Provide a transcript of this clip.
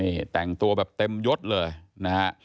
นี่แต่งตัวแบบเต็มยดเลยนะฮะ